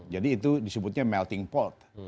jadi itu disebutnya melting pot